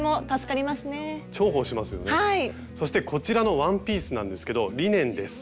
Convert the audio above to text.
そしてこちらのワンピースなんですけどリネンです。